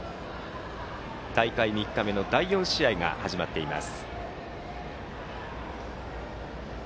大会３日目の第４試合が始まっています。